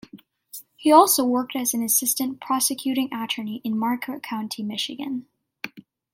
He also worked as an assistant prosecuting attorney in Marquette County, Michigan.